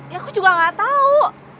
ya aku juga gak tahu